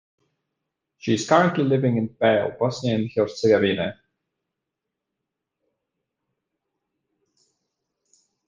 She is currently living in Pale, Bosnia and Herzegovina.